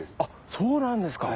そうなんですか。